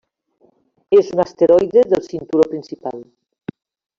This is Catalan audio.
És un asteroide del cinturó principal.